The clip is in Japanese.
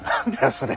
それ！